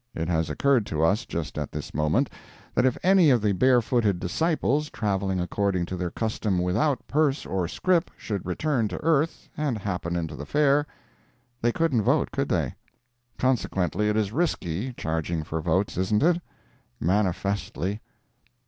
It has occurred to us just at this moment, that if any of the barefooted Disciples, travelling according to their custom "without purse or scrip," should return to Earth, and happen into the Fair, they couldn't vote, could they? Consequently, it is risky, charging for votes, isn't it? Manifestly.